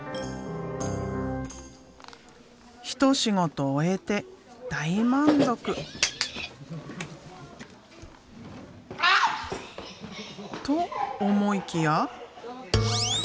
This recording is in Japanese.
一仕事終えて大満足！と思いきや。